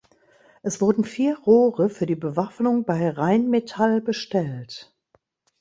Es wurden vier Rohre für die Bewaffnung bei Rheinmetall bestellt.